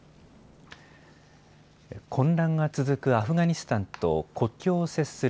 混乱が続くアフガニスタンと国境を接する